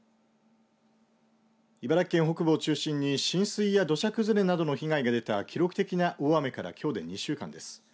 茨城県北部を中心に浸水や土砂崩れなどの被害が出た記録的な大雨からきょうで２週間です。